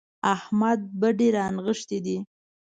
احمد بډې رانغښتې دي.